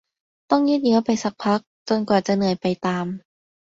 ต้องยืดเยื้อไปสักพักจนกว่าจะเหนื่อยไปตาม